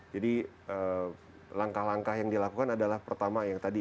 jadi langkah langkah yang dilakukan adalah pertama yang tadi